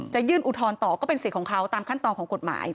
จะยื่นอุดทอนต่อก็เป็นเสียของเขาตามขั้นตอนของกฎหมาย